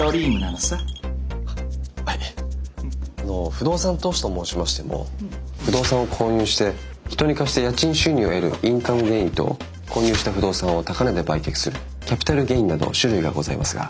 あの不動産投資と申しましても不動産を購入して人に貸して家賃収入を得るインカムゲインと購入した不動産を高値で売却するキャピタルゲインなど種類がございますが。